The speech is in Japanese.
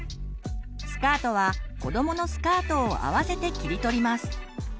スカートはこどものスカートを合わせて切り取ります。